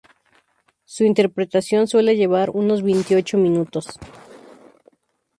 Su interpretación suele llevar unos veintiocho minutos.